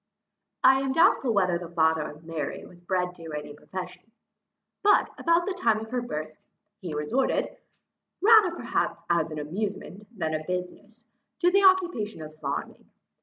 I am doubtful whether the father of Mary was bred to any profession; but, about the time of her birth, he resorted, rather perhaps as an amusement than a business, to the occupation of farming.